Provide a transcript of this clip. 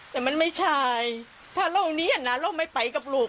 แต่มันไม่ใช่ถ้าโลกนี้นะเราไม่ไปกับลูก